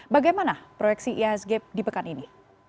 bagaimana proyeksi ihsg di pekan ini